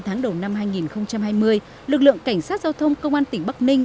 sáu tháng đầu năm hai nghìn hai mươi lực lượng cảnh sát giao thông công an tỉnh bắc ninh